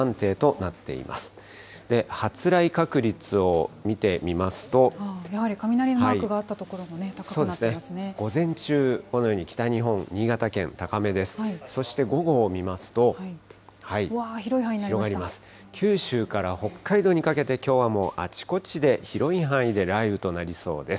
うわー、広い範囲になりまし九州から北海道にかけて、きょうはもうあちこちで広い範囲で雷雨となりそうです。